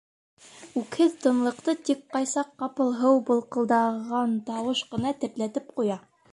Үкһеҙ тынлыҡты тик ҡай саҡ ҡапыл һыу былҡылдаған тауыш ҡына тертләтеп ҡуя.